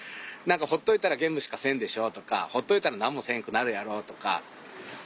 「ほっといたらゲームしかせんでしょ」とか「ほっといたら何もせんくなるやろ」とか。